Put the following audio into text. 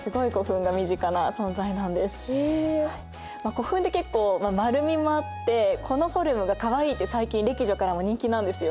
古墳って結構丸みもあってこのフォルムがかわいいって最近歴女からも人気なんですよ。